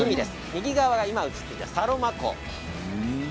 右側が今、映ったサロマ湖です。